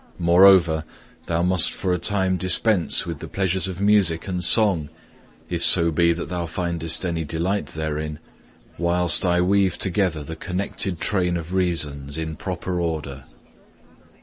Moreover, thou must for a time dispense with the pleasures of music and song, if so be that thou findest any delight therein, whilst I weave together the connected train of reasons in proper order.'